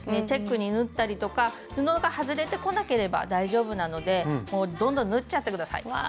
チェックに縫ったりとか布が外れてこなければ大丈夫なのでどんどん縫っちゃってください。